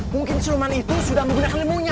mungkin rumah itu sudah menggunakan lemunya